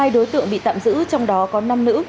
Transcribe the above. một mươi hai đối tượng bị tạm giữ trong đó có năm nữ